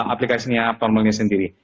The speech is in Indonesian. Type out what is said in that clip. aplikasinya up normalnya sendiri